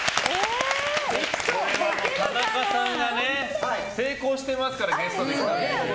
田中さんが成功してますからゲストで来た時。